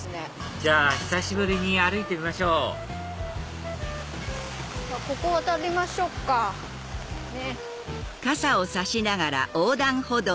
じゃあ久しぶりに歩いてみましょうここ渡りましょうかね。